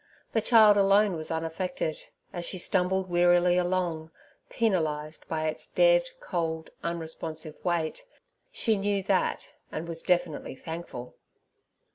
The child alone was unaffected, as she stumbled wearily along, penalized by its dead, cold, unresponsive weight, she knew that, and was definitely thankful.